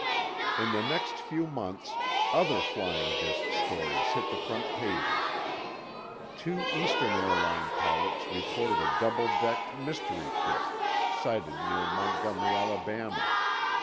In the next few months, other flying disk stories hit the front pages. Two Eastern Airline pilots reported a double decked mystery ship sighted near Montgomery, Alabama.